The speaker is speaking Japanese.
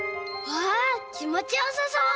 わあきもちよさそう！